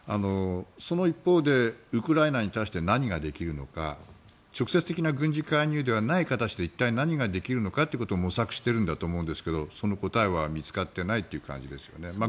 その一方でウクライナに対して何ができるのか直接的な軍事介入ではなくて一体何ができるのかということを模索していると思うんですがその答えは見つかっていないという感じですね。